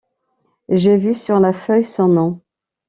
J’ai vu sur la feuille son nom.